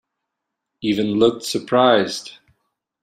Even looked surprised.